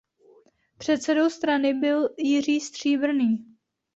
Předsedou strany byl Jiří Stříbrný.